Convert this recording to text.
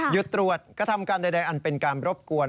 ตรวจกระทำการใดอันเป็นการรบกวน